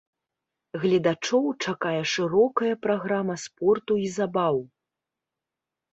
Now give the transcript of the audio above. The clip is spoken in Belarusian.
Гледачоў чакае шырокая праграма спорту і забаў.